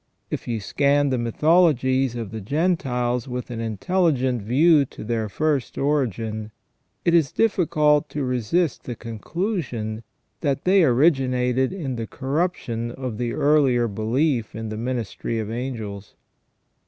If you scan the mythologies of the Gentiles with an intelligent view to their first origin, it is difficult to resist the conclusion, that they originated in the corruption of the earlier belief in the ministry of angels.